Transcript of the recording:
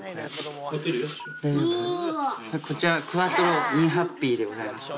こちらクワトロ・２ハッピーでございます。